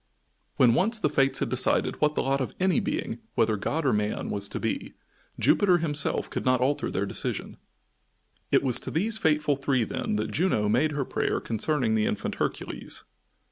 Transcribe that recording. When once the Fates had decided what the lot of any being, whether god or man, was to be, Jupiter himself could not alter their decision. It was to these fateful three, then, that Juno made her prayer concerning the infant Hercules.